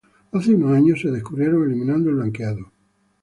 Hace unos años se redescubrieron eliminando el blanqueado.